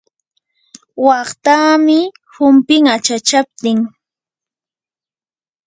waqtamii humpin achachaptin.